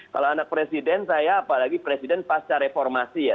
kalau anak presiden saya apalagi presiden pasca reformasi ya